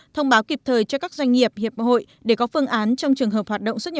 thông báo kịp thời cho các doanh nghiệp hiệp hội để có phương án trong trường hợp hoạt động xuất